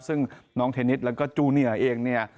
ซึ่งน้องเทนนิสแล้วก็จูเนียเองเนี่ย